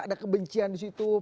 ada kebencian disitu